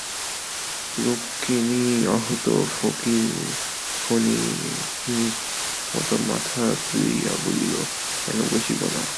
রুক্মিণী আহত ফণিনীর মতো মাথা তুলিয়া বলিল, কেন বসিব না?